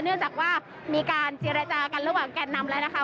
เนื่องจากว่ามีการเจรจากันระหว่างแก่นนำแล้วนะคะ